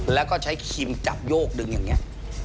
แล้วก็ใช้ครีมจับโยกดึงอย่างนี้